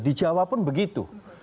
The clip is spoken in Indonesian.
di jawa pun begitu